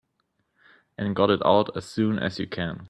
And got it out as soon as you can.